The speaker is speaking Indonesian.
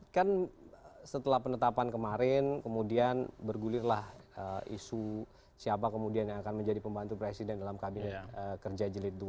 kan setelah penetapan kemarin kemudian bergulirlah isu siapa kemudian yang akan menjadi pembantu presiden dalam kabinet kerja jelit dua